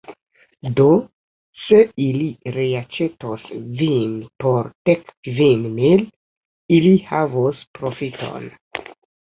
Do, se ili reaĉetos vin por dek kvin mil, ili havos profiton.